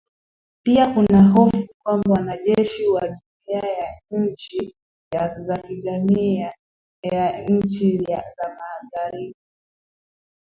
Pia kuna hofu kwamba wanajeshi wa jumuia ya nchi za kujihami ya nchi za Magharibi